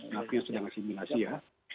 napi yang sedang asimilasi ya